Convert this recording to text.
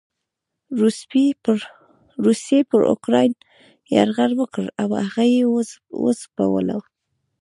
روسيې پر اوکراين يرغل وکړ او هغه یې وځپلو.